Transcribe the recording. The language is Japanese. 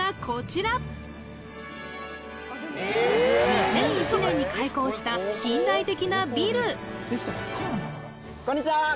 ２００１年に開校した近代的なビルこんにちはー！